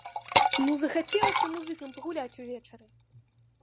Ну захацелася музыкам пагуляць увечары!